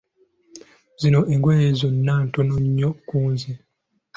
Zino engoye zonna ntono nnyo kunze!